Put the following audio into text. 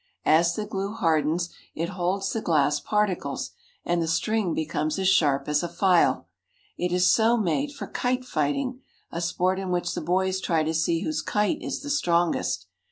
As the glue hardens, it holds the glass particles, and the string becomes as sharp as a file. It is so made for kite fighting, a sport in which the boys try to see whose kite is the strongest.